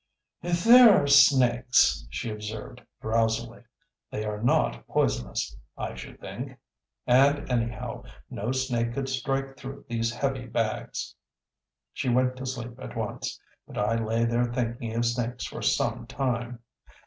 "If there are snakes," she observed drowsily, "they are not poisonous I should think. And, anyhow, no snake could strike through these heavy bags." She went to sleep at once, but I lay there thinking of snakes for some time.